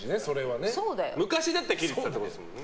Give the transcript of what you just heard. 昔だったらキレてたってことですもんね。